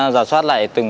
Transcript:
rào soát lại từng